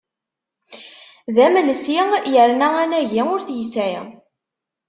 D amelsi yerna anagi ur t-yesɛi.